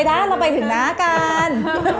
ด้านเราไปถึงหน้ากัน